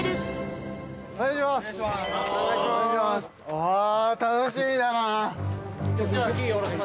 あー楽しみだな。